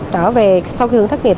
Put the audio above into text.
trở về sau khi thất nghiệp